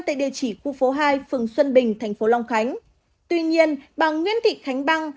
tại địa chỉ khu phố hai phường xuân bình tp long khánh tuy nhiên bà nguyễn thị khánh băng